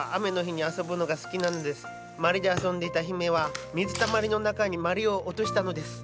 まりで遊んでいた姫は水たまりの中にまりを落としたのです。